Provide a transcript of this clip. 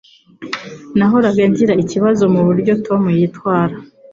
Nahoraga ngira ikibazo muburyo Tom yitwara.